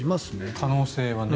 可能性はね。